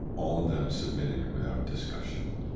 All of them submitted without discussion.